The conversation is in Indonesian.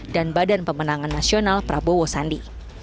dan badan pemenangan nasional prabowo sandi